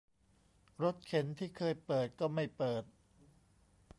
รถเข็นที่เคยเปิดก็ไม่เปิด